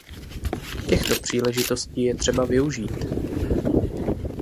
Těchto příležitostí je třeba využít!